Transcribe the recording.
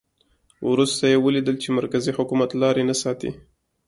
وروسته یې ولیدل چې مرکزي حکومت لاري نه ساتي.